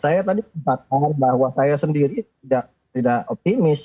saya tadi kebatasan bahwa saya sendiri tidak optimis